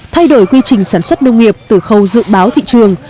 thay đổi quy trình sản xuất nông nghiệp từ khâu dự báo thị trường